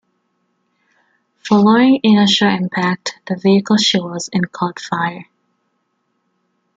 Following initial impact the vehicle she was in caught fire.